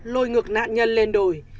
lôi ngược nạn nhân lên đồi